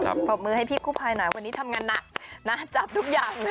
ขอบมือให้พี่คู่พายหน่อยวันนี้ทำงานหนักน่าจับทุกอย่าง